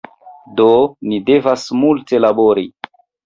Do ni devas multe labori